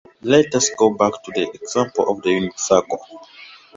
Let us go back to the example of the unit circle.